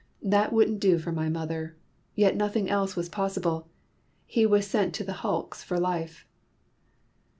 That wouldn't do for my mother. Yet nothing else was possible. He was sent to the hulks for life."